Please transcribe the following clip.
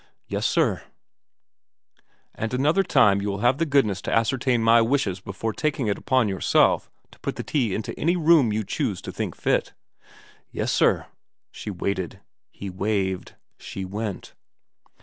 ' Yes sir/ * And another time you will have the goodness to ascertain my wishes before taking upon yourself to put the tea into any room you choose to think fit.' ' Yes sir.' She waited. He waved. She went.